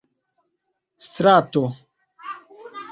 strato